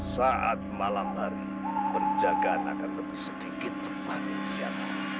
saat malam hari perjagaan akan lebih sedikit terpahami siang